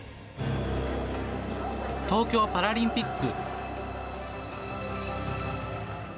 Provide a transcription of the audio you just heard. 東京パラリンピック。